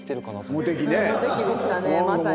モテ期でしたねまさに。